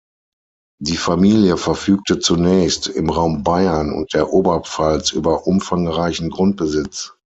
Die Familie verfügte zunächst im Raum Bayern und der Oberpfalz über umfangreichen Grundbesitz.